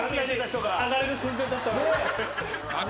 ・上がれる寸前だったのに。